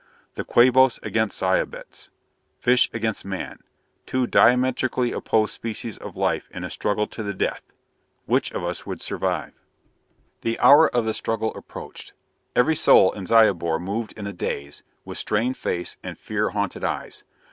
The Quabos against the Zyobites! Fish against man! Two diametrically opposed species of life in a struggle to the death! Which of us would survive? The hour of the struggle approached. Every soul in Zyobor moved in a daze, with strained face and fear haunted eyes.